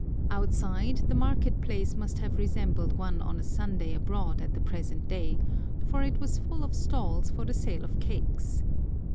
Outside, the market place must have resembled one on a Sunday abroad at the present day, for it was full of stalls for the sale of cakes.